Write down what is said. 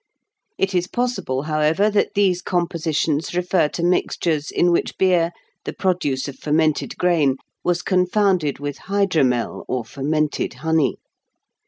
It is possible, however, that these compositions refer to mixtures in which beer, the produce of fermented grain, was confounded with hydromel, or fermented honey.